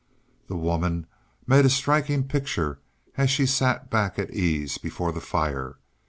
The woman made a striking picture as she sat back at ease before the fire.